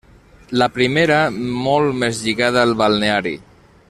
La primera molt més lligada al balneari.